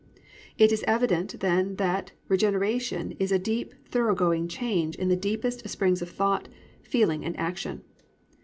It is evident then that regeneration is a deep thorough going change in the deepest springs of thought, feeling and action.